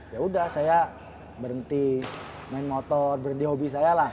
ya udah saya berhenti main motor berhenti hobi saya lah